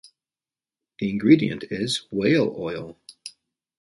The ingredient is Whale oil.